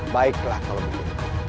baiklah kau berhenti